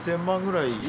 １，０００万くらい。